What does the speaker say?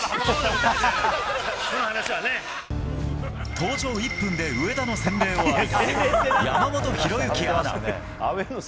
登場１分で上田の洗礼を浴びた山本紘之アナ。